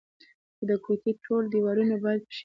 د کوټې ټول دیوالونه باید په شین رنګ رنګ شي.